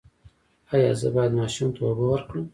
ایا زه باید ماشوم ته اوبه ورکړم؟